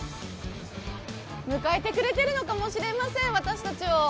迎えてくれているのかもしれません、私たちを。